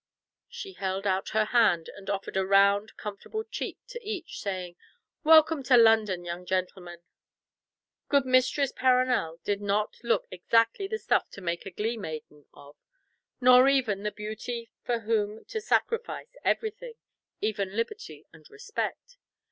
She held out her hand, and offered a round comfortable cheek to each, saying, "Welcome to London, young gentlemen." Good Mistress Perronel did not look exactly the stuff to make a glee maiden of, nor even the beauty for whom to sacrifice everything, even liberty and respect.